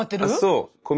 そう。